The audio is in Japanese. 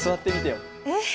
えっ？